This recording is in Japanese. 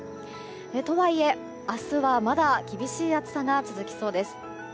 とはいえ、明日はまだ厳しい暑さが続きそうです。